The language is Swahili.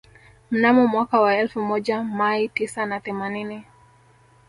Mnamo mwaka wa elfu moja mai tisa na themanini